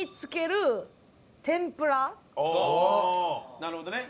おっなるほどね。